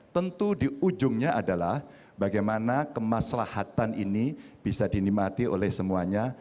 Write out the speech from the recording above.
tentu di ujungnya adalah bagaimana kemaslahatan ini bisa dinikmati oleh semuanya